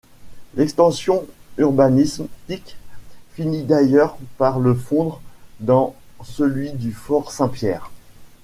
L'extension urbanistique finit d'ailleurs par le fondre dans celui du Fort Saint-Pierre.